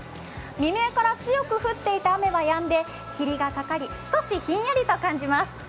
未明から強く降っていた雨はやんで霧がかかり、少しひんやりと感じます。